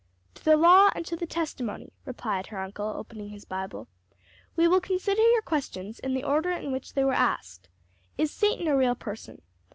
"'To the law and to the testimony,'" replied her uncle, opening his Bible. "We will consider your questions in the order in which they were asked. 'Is Satan a real person?'